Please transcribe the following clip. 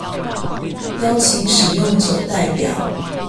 邀請使用者代表